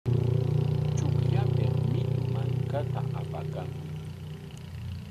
Chukllapik mitu mankata apaskamuy.